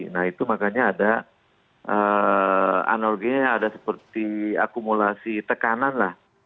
nah itu makanya ada analoginya ada seperti akumulasi tekanan lah